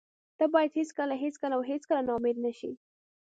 ته باید هېڅکله، هېڅکله او هېڅکله نا امید نشې.